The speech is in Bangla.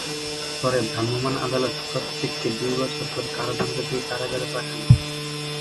পরে ভ্রাম্যমাণ আদালত প্রত্যেককে দুই বছর করে কারাদণ্ড দিয়ে কারাগারে পাঠান।